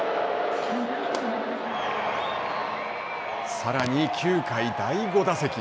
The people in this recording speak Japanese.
さらに９回、第５打席。